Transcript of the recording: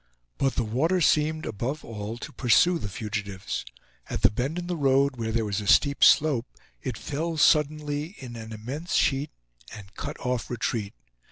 But the water seemed, above all, to pursue the fugitives. At the bend in the road, where there was a steep slope, it fell suddenly in an immense sheet and cut off retreat.